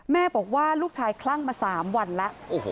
แม่บอกว่าลูกชายคลั่งมา๓วันแล้ว